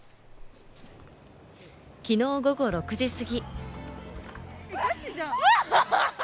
昨日午後６時過ぎ。